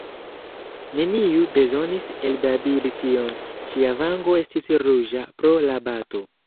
Neniu bezonis elbabili tion; ŝia vango estis ruĝa pro la bato.